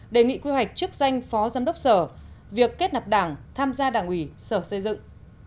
đề nghị quy hoạch chức danh phó giám đốc sở việc kết nạp đảng tham gia đảng ủy sở xây dựng